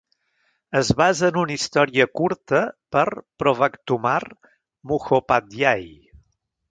Es basa en una història curta per Provatkumar Mukhopadhyay.